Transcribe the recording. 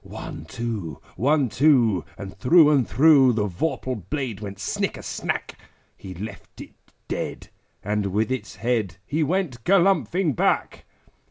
One, two! One, two! And through and through The vorpal blade went snicker snack! He left it dead, and with its head He went galumphing back.